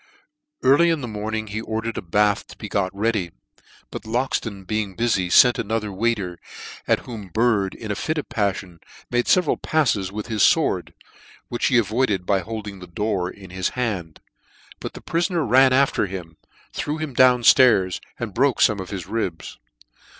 Early in the morning he ordered a bath to be got ready ; but Loxton being bufy, fent another waiter, at whom Bird, in a fit of paffion, made feveral pafles with his fword, which he avoided by holding the door in his hand : but the prifoner ran after him, threw him down flairs, and broke fome of his ribs.